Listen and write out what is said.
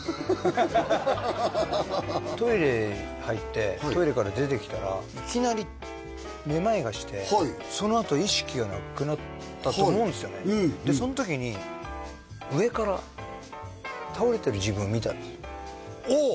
トイレ入ってトイレから出てきたらいきなりめまいがしてはいそのあと意識がなくなったと思うんですよねでその時に上から倒れてる自分を見たんですおお